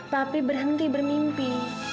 papi berhenti bermimpi